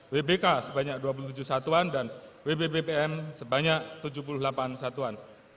wbk sebanyak dua puluh tujuh satuan dan wbbpm sebanyak tujuh puluh delapan satuan